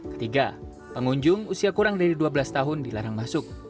ketiga pengunjung usia kurang dari dua belas tahun dilarang masuk